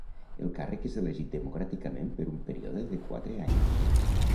El càrrec és elegit democràticament per un període de quatre anys.